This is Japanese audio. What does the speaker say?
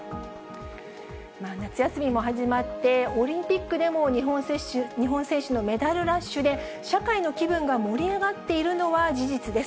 夏休みも始まって、オリンピックでも日本選手のメダルラッシュで、社会の気分が盛り上がっているのは事実です。